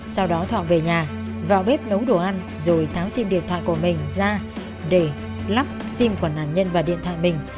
sau đó họ về nhà vào bếp nấu đồ ăn rồi tháo xin điện thoại của mình ra để lắp xin quần nạn nhân vào điện thoại mình